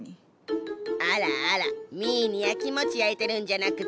あらあらミーにやきもち焼いてるんじゃなくて？